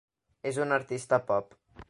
És un artista pop.